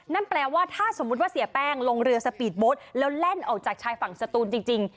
นั่นแปลว่าถ้าสมมุติว่าเสียแป้งลงเรือสปีดโบสต์แล้วแล่นออกจากชายฝั่งสตูนจริง